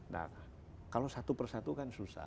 nah kalau satu persatu kan susah